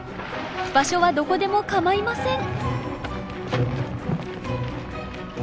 場所はどこでも構いません。